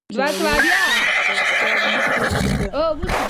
د جاوېد صېب پرې سر نۀ خلاصېدۀ -